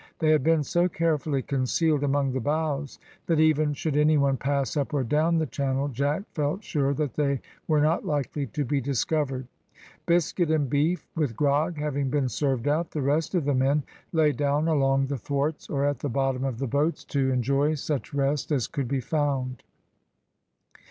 They had been so carefully concealed among the boughs, that even should any one pass up or down the channel, Jack felt sure that they were not likely to be discovered. Biscuit and beef, with grog, having been served out, the rest of the men lay down along the thwarts or at the bottom of the boats, to enjoy such rest as could be found.